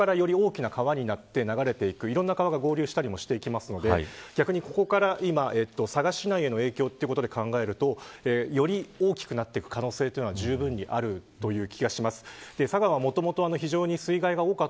ここからより大きな川になって流れていくいろんな川が合流したりしていくのでここから佐賀市内への影響ということで考えるとより大きくなっていく可能性はじゅうぶんにあるという気がします。